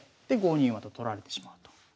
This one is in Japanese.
で５二馬と取られてしまうと。